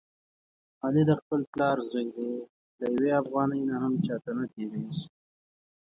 علي د خپل پلار زوی دی، له یوې افغانۍ نه هم چاته نه تېرېږي.